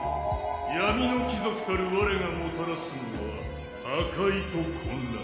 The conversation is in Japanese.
闇の貴族たる我がもたらすのは破壊と混乱。